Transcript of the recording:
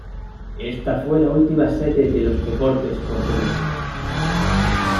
Esta fue la última sede de los Deportes portugueses.